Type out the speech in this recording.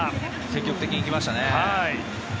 積極的に行きましたね。